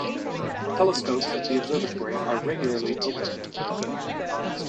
Telescopes at the observatory are regularly opened to the public.